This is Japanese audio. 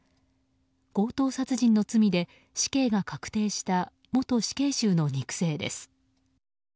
強盗殺人の罪で死刑が確定した元死刑囚の肉声です。